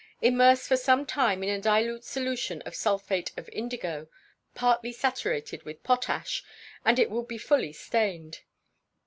Immerse for some time in a dilute solution of sulphate of indigo partly saturated with potash and it will be fully stained.